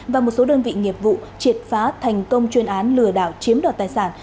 và một số đơn vị nghiệp vụ triệt phá thành công chuyên án lừa đảo chiếm đoạt tài sản